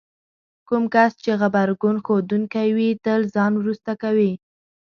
کوم کس چې غبرګون ښودونکی وي تل ځان وروسته کوي.